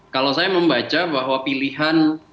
kalau saya membaca bahwa pilihan